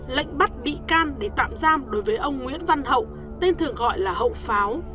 lệnh bắt bị can để tạm giam đối với ông nguyễn văn hậu tên thường gọi là hậu pháo